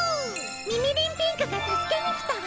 みみりんピンクが助けにきたわ！